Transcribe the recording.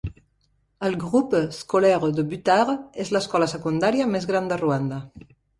El Groupe Scolaire de Butare és l'escola secundària més gran de Ruanda.